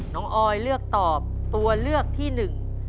ออยเลือกตอบตัวเลือกที่หนึ่ง